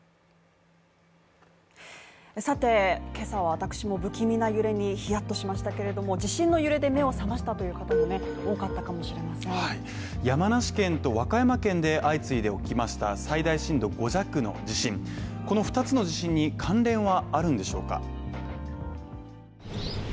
さて、今朝私も不気味な揺れにヒヤッとしましたけれども地震の揺れで目を覚ましたという方も多かったかもしれません山梨県と和歌山県で相次いで起きました最大震度５弱の地震、この二つの地震に関連はあるんでしょうか？